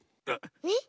えっ？